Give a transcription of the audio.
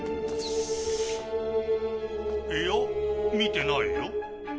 いや見てないよ。